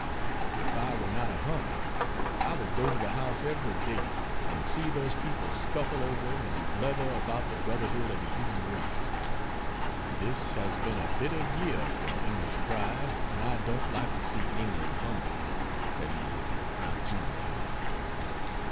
If I were not a hermit I would go to the House every day and see those people scuffle over it and blether about the brotherhood of the human race. This has been a bitter year for English pride, and I don't like to see England humbled that is, not too much.